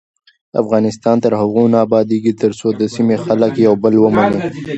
افغانستان تر هغو نه ابادیږي، ترڅو د سیمې خلک یو بل ومني.